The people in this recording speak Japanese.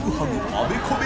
あべこべ